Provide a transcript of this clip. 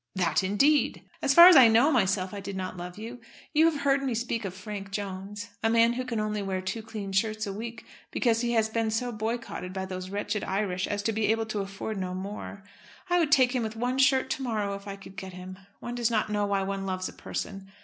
"That, indeed!" "As far as I know myself, I did not love you. You have heard me speak of Frank Jones, a man who can only wear two clean shirts a week because he has been so boycotted by those wretched Irish as to be able to afford no more. I would take him with one shirt to morrow, if I could get him. One does not know why one loves a person.